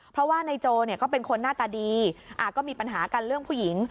เพราะว่านายโจก็เป็นคนหน้าตาดีก็มีปัญหากันเรื่องผู้หญิง